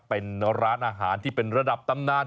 เป็นร้านอาหารที่เป็นระดับตำนาน